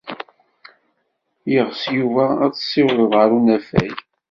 Yeɣs Yuba ad t-ssiwḍeɣ ɣer unafag?